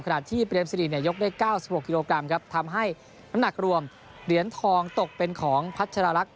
ขณะที่เปรมสิริยกได้๙๖กิโลกรัมครับทำให้น้ำหนักรวมเหรียญทองตกเป็นของพัชราลักษ